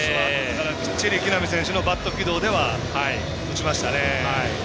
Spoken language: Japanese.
きっちり木浪選手のバット軌道では打ちましたね。